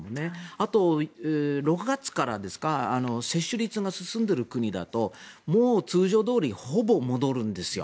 あと、６月から接種率が進んでいる国だともう通常どおりほぼ戻るんですよ。